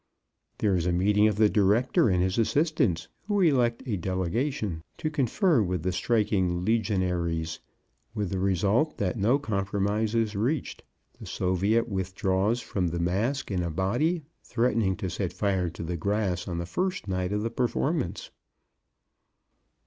There is a meeting of the Director and his assistants who elect a delegation to confer with the striking legionaries, with the result that no compromise is reached, the soviet withdraws from the masque in a body, threatening to set fire to the grass on the first night of the performance.